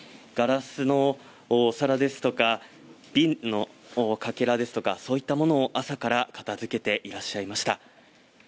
ガラスのお皿ですとか瓶のかけらですとかそういったものを朝から片付けていらっしゃいました。